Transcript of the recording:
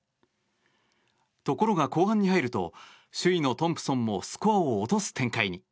ところが、後半に入ると首位のトンプソンもスコアを落とす展開に。